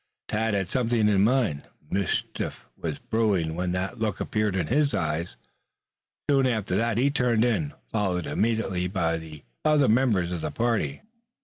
Tad had something in mind. Mischief was brewing when that look appeared in his eyes. Soon after that he turned in, followed immediately by the other members of the party.